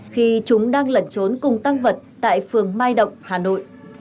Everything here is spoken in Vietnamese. khi chúng đang lẩn trốn cùng tăng vật tại phường mai động hà nội